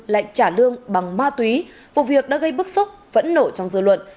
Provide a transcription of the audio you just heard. lại trả lương bằng ma túy vụ việc đã gây bức xúc vẫn nổ trong dự luận